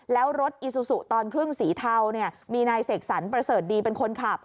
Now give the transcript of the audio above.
แล้วรถอีซูซูตอนครึ่งสีเทามีนายเสกสรรประเสริฐดีเป็นคนขับ